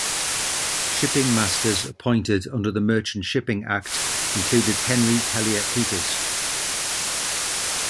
Shipping Masters appointed under the Merchant Shipping Act included Henry Hellier Peters.